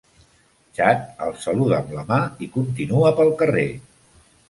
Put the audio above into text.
Chad els saluda amb la mà i continua pel carrer.